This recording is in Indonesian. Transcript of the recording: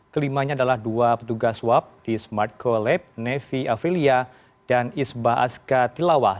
kelimanya adalah dua petugas swab di smart co lab nevi affilia dan isbah aska tilawa